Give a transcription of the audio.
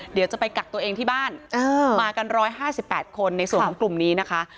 เดี๋ยวจะไปกักตัวเองที่บ้านมากัน๑๕๘คนในส่วนของกลุ่มนี้นะคะ